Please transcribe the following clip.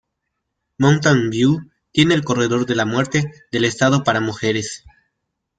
Mountain View tiene el "corredor de la muerte" del estado para mujeres.